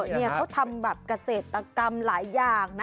นี่เขาทำแบบเกษตรกรรมหลายอย่างนะ